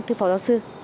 thưa phó giáo sư